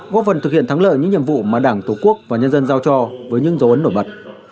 góp phần thực hiện thắng lợi những nhiệm vụ mà đảng tổ quốc và nhân dân giao cho với những dấu ấn nổi bật